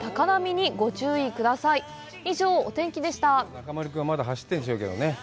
中丸君は、まだ走ってるでしょうけどね。